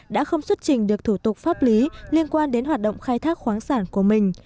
đã không xuất trình được thủ tục pháp lý liên quan đến hoạt động khai thác khoáng sản của mình